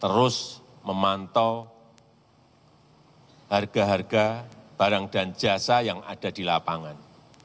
terus memantau harga harga barang dan jasa yang ada di lapangan